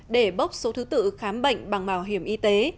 để bốc số thứ tự khám bệnh bằng bảo hiểm y tế